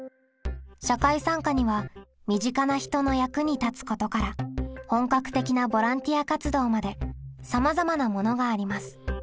社会参加には身近な人の役に立つことから本格的なボランティア活動までさまざまなものがあります。